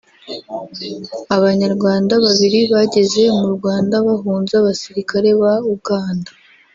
Abanyarwanda babiri bageze mu Rwanda bahunze abasirikare ba Uganda